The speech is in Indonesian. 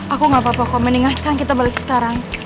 aku gak apa apa kau meninggalkan kita balik sekarang